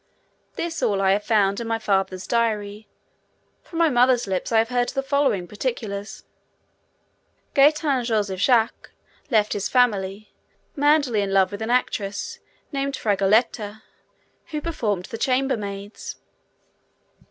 This is all I have found in my father's diary: from my mother's lips I have heard the following particulars: Gaetan Joseph Jacques left his family, madly in love with an actress named Fragoletta, who performed the chambermaids.